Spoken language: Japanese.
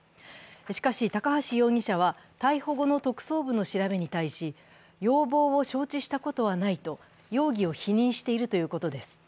しかし、高橋容疑者は逮捕後の特捜部の調べに対し要望を承認したことはないと容疑を否認しているということです。